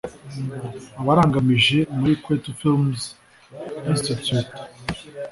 Abarangije muri Kwetu Film Institute